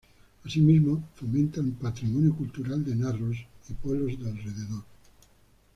Asimismo fomenta el patrimonio cultural de Narros y pueblos de alrededor.